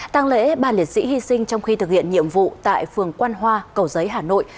tăng lễ ba liệt sĩ hy sinh trong khi thực hiện nhiệm vụ tại phường quan hoa cầu giấy hà nội